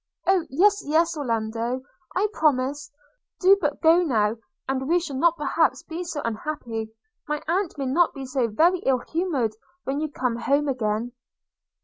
– 'Oh! yes, yes, Orlando! – I promise – do but go now, and we shall not perhaps be so unhappy; my aunt may not be so very ill humoured when you come home again.'